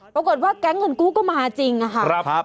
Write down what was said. ปรากฏว่าแก๊งเงินกู้ก็มาจริงค่ะ